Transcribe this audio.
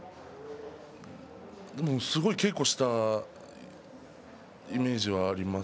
すごい稽古したイメージはあります。